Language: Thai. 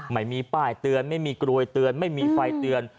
ไม่มีป้ายเตือนไม่มีกรวยเตือนไม่มีไฟเตือน